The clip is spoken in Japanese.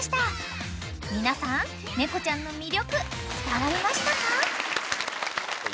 ［皆さん猫ちゃんの魅力伝わりましたか？］